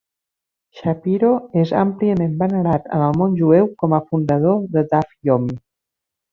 Shapiro és àmpliament venerat en el món jueu com a fundador de Daf Yomi.